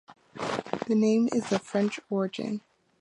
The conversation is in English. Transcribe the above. The name is of French origin.